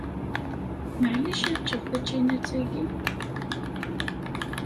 Maɛlic ad ččeɣ tačinat-agi?